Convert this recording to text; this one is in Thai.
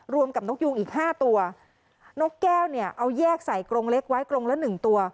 รวมกับนกยูงอีกห้าตัวนกแก้วเนี่ยเอาแยกใส่กรงเล็กไว้กรงละหนึ่งตัว